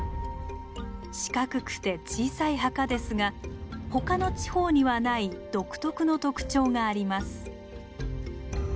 四角くて小さい墓ですが他の地方にはない独特の特徴があります。